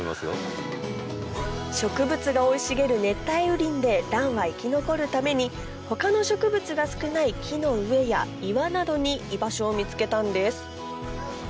植物が生い茂る熱帯雨林で蘭は生き残るために他の植物が少ない木の上や岩などに居場所を見つけたんです